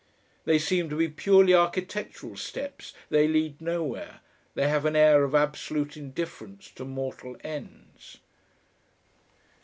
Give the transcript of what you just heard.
They seem to be purely architectural steps, they lead nowhere, they have an air of absolute indifference to mortal ends.